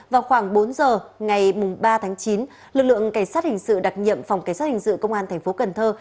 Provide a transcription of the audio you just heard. vào khoảng bốn giờ ngày ba tháng chín lực lượng cảnh sát hình sự đặc nhiệm phòng cảnh sát hình sự công an thành phố cần thơ